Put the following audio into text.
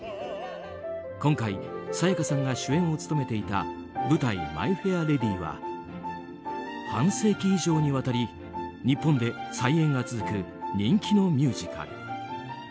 今回、沙也加さんが主演を務めていた舞台「マイ・フェア・レディ」は半世紀以上にわたり日本で再演が続く人気のミュージカル。